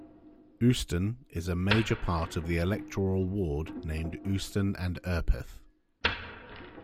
Ouston is a major part of the electoral ward named Ouston and Urpeth.